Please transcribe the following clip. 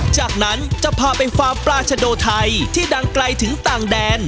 จากนั้นจะพาไปฟาร์มปราชโดไทยที่ดังไกลถึงต่างแดน